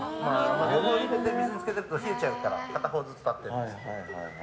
両方、水につけていると冷えちゃうから片方ずつ、立ってます。